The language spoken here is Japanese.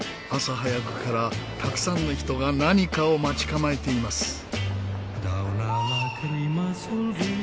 朝早くからたくさんの人が何かを待ち構えています。